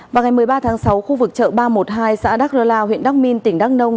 vào ngày một mươi ba tháng sáu khu vực chợ ba trăm một mươi hai xã đắc lơ lao huyện đắc minh tỉnh đăng nông